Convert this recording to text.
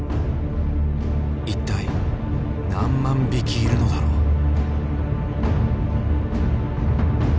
一体何万匹いるのだろう。